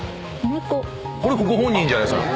これご本人じゃないですか。